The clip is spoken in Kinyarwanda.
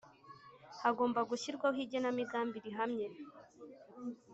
Hagomba gushyirwaho Igenamigambi rihamye